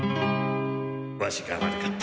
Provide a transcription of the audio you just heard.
ワシが悪かった。